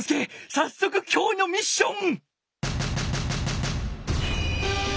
さっそくきょうのミッション！